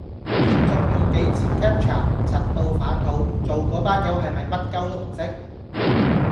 連續用幾次 captcha， 柒到反肚，做個班友係咪乜鳩都唔識